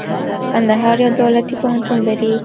کندهار يو دولتي پوهنتون لري.